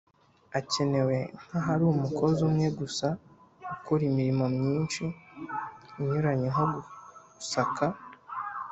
Akenewe nk’ahari umukozi umwe gusa ukora imirimo myinshi inyuranye nko gusaka